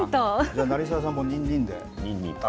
成澤さんもニンニンで。